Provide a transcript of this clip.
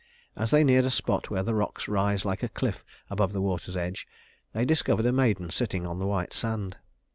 As they neared a spot where the rocks rise like a cliff above the water's edge, they discovered a maiden sitting on the white sand.